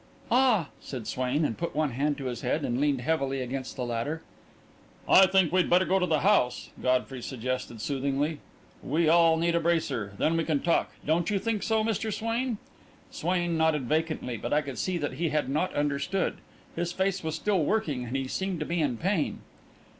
"Ah!" said Swain, and put one hand to his head and leaned heavily against the ladder. "I think we'd better go to the house," Godfrey suggested, soothingly. "We all need a bracer. Then we can talk. Don't you think so, Mr. Swain?" Swain nodded vacantly, but I could see that he had not understood. His face was still working and he seemed to be in pain.